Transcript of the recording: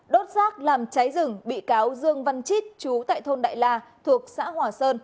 đốt rác làm cháy rừng bị cáo dương văn chít chú tại thôn đại la thuộc xã hòa sơn